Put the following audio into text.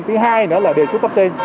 thứ hai nữa là đề xuất cấp trên